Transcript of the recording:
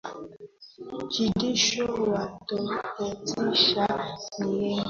Kilichowatofautisha ni aina ya kazijasusi hutumia gharama kubwa na miaka mingi